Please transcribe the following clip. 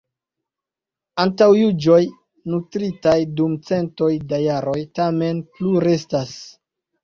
Antaŭjuĝoj nutritaj dum centoj da jaroj tamen plurestas.